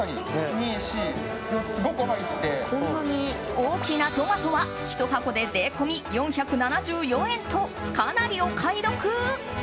大きなトマトは１箱で税込み４７４円とかなりお買い得。